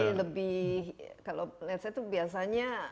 ini lebih kalau lihat saya itu biasanya